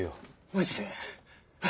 マジで？